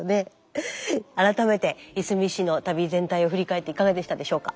改めていすみ市の旅全体を振り返っていかがでしたでしょうか？